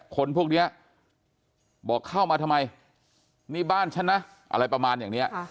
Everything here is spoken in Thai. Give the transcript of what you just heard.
คนพวกนี้บอกเข้ามาทำไมนี่บ้านฉันนะอะไรประมาณอย่างนี้